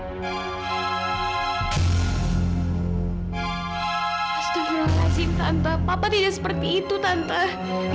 astagfirullahaladzim tante papa tidak seperti itu tante